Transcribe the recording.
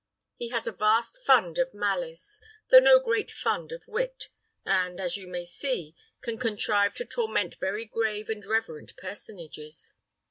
He has a vast fund of malice, though no great fund of wit, and, as you may see, can contrive to torment very grave and reverend personages.